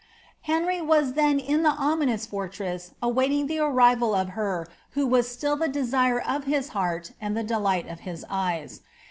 Henry was then in the ominous fortress awaiting the arriTa] of her who was still the desire of his heart and the delight of his eyes.